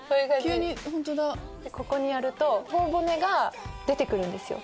ここにやると頬骨が出て来るんですよ。